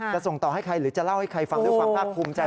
ส่งต่อให้ใครหรือจะเล่าให้ใครฟังด้วยความภาคภูมิใจ